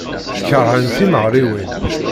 Keṛhen timeɣriwin.